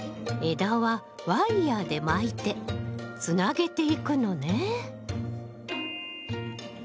枝はワイヤーで巻いてつなげていくのね。